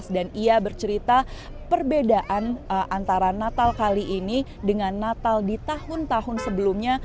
dan ia bercerita perbedaan antara natal kali ini dengan natal di tahun tahun sebelumnya